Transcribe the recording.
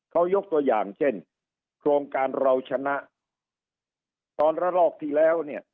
เขายกตัวอย่างเช่นโครงการเราชนะตอนระลอกที่แล้วเนี่ย